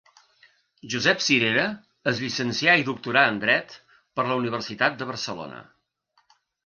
Josep Cirera es llicencià i doctorà en Dret per la Universitat de Barcelona.